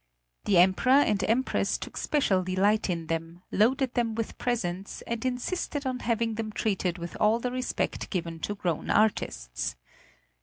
The Emperor and Empress took special delight in them, loaded them with presents, and insisted on having them treated with all the respect given to grown artists.